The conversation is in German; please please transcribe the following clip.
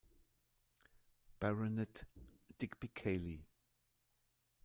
Baronet, Digby Cayley.